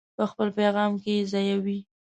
په خپل پیغام کې یې ځایوي.